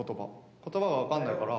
ことばが分かんないから。